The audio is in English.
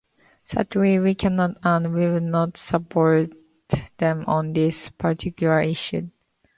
Sadly we cannot - and will not - support them on this particular issue.